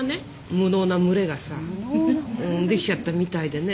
無能な群れがさ出来ちゃったみたいでね。